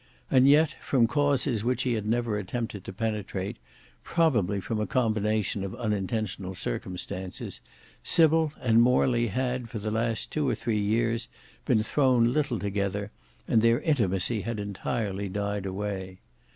And yet, from causes which he had never attempted to penetrate, probably from a combination of unintentional circumstances, Sybil and Morley had for the last two or three years been thrown little together, and their intimacy had entirely died away.